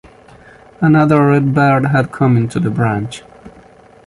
Another red bird had come onto the branch.